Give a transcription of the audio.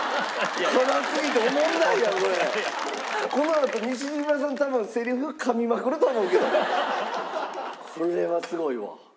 このあと西島さん多分セリフかみまくると思うけど。